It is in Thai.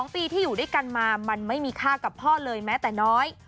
๒ปีที่อยู่ด้วยกันมามันไม่มีค่ากับพ่อเลยแม้แต่น้อย